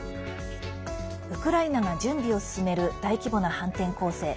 ウクライナが準備を進める大規模な反転攻勢。